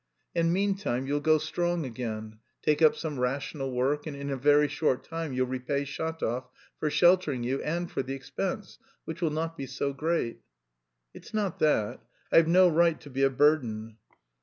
And meantime you'll grow strong again, take up some rational work, and in a very short time you'll repay Shatov for sheltering you and for the expense, which will not be so great." "It's not that... I've no right to be a burden...."